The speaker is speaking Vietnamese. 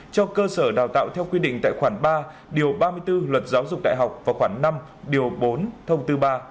cho cơ sở đào tạo theo quy định tại khoảng ba ba mươi bốn luật giáo dục đại học và khoảng năm bốn thông tư ba